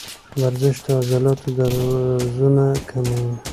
ورزش د عضلاتو درزونه کموي.